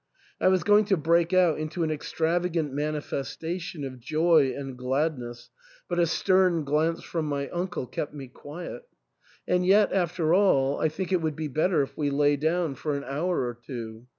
I was going to break out into an extravagant manifestation of joy and glad ness, but a stern glance from my uncle kept me quiet. "And yet, after all, I think it would be better if we lay down for an hour or two.